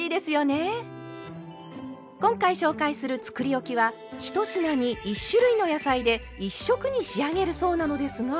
今回紹介するつくりおきは１品に１種類の野菜で１色に仕上げるそうなのですが。